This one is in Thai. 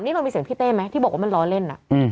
นี่เรามีเสียงพี่เต้ไหมที่บอกว่ามันล้อเล่น